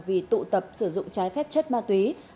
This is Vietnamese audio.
vì tụ tập sử dụng trái phép chất ma túy